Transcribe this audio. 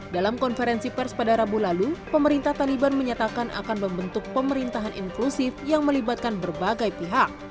dalam konferensi pers pada rabu lalu pemerintah taliban menyatakan akan membentuk pemerintahan inklusif yang melibatkan berbagai pihak